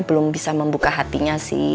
belum bisa membuka hatinya sih